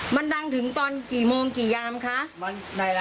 มันดังถึงตอนกี่โมงกี่ยามคะ